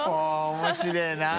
面白いな。